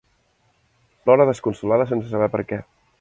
Plora desconsolada sense saber per què.